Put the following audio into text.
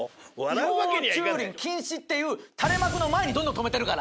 「違法駐輪禁止」っていう垂れ幕の前にどんどん停めてるから。